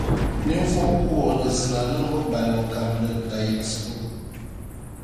ninvuɣukubo ni zina niŋbu balibu kam ni tayiɣisigu.